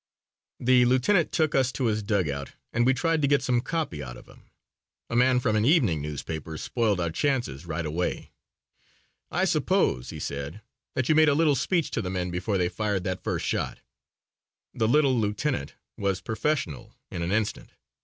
The lieutenant took us to his dugout and we tried to get some copy out of him. A man from an evening newspaper spoiled our chances right away. "I suppose," he said, "that you made a little speech to the men before they fired that first shot?" The little lieutenant was professional in an instant.